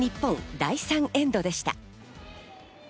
第３エンドでした。